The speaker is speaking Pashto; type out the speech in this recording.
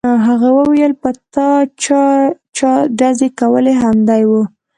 هغې وویل په تا چې چا ډزې کولې همدی و